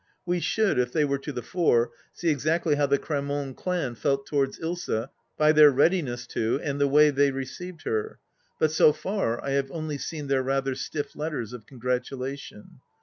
We should, if they were to the fore, see exactly how the Cramont clan felt towards Ilsa, by their readiness to and the way they received her, but, so far, I have only seen their rather stiff letters of congratulation.